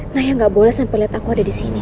naya gak boleh sampai liat aku ada di sini